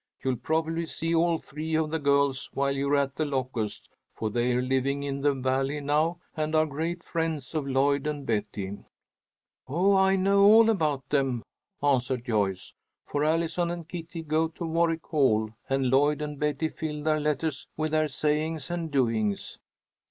You'll probably see all three of the girls while you're at The Locusts, for they're living in the Valley now and are great friends of Lloyd and Betty." "Oh, I know all about them," answered Joyce, "for Allison and Kitty go to Warwick Hall, and Lloyd and Betty fill their letters with their sayings and doings."